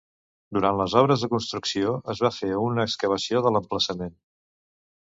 Durant les obres de construcció, es va fer una excavació de l"emplaçament.